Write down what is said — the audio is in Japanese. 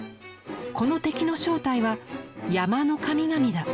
この敵の正体は『山の神々』だ！！」。